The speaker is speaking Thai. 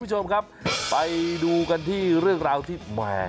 คุณผู้ชมครับไปดูกันที่เรื่องราวที่แหม